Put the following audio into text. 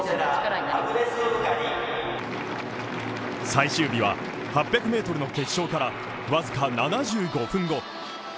最終日は８００ｍの決勝から僅か７５分後。